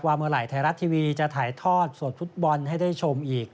เมื่อไหร่ไทยรัฐทีวีจะถ่ายทอดสดฟุตบอลให้ได้ชมอีก